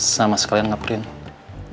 sama sekalian nge print